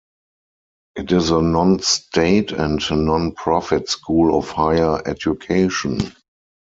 It is a non-state and non-profit school of higher education.